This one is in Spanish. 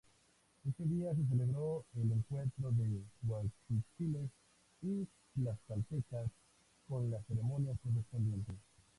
Ese día se celebró el encuentro de guachichiles y tlaxcaltecas con las ceremonias correspondientes.